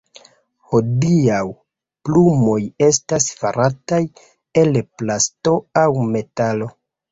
Hodiaŭ, plumoj estas farataj el plasto aŭ metalo.